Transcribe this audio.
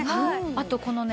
あとこのね